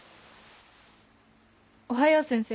おはよう先生。